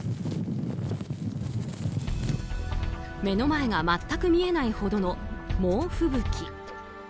目の前が全く見えないほどの猛吹雪。